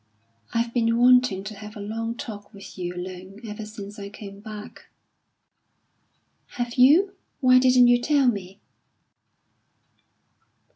"I've been wanting to have a long talk with you alone ever since I came back." "Have you? Why didn't you tell me?"